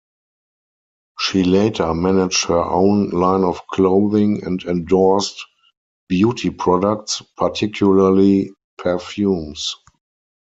She later managed her own line of clothing and endorsed beauty products, particularly perfumes.